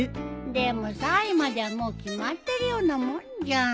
でも３位まではもう決まってるようなもんじゃん。